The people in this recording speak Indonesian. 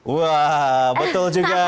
wow betul juga